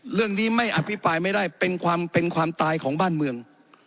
เรื่องนี้ไม่อภิปรายไม่ได้เป็นความเป็นความตายของบ้านเมือง